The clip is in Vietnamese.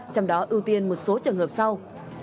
trong đó ưu tiên một số trường hợp sau